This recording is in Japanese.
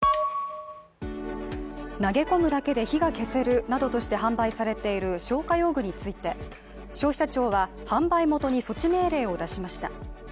投げ込むだけで火が消せるなどとして販売されている消火用具について、消費者庁は販売元に措置命令を出しました。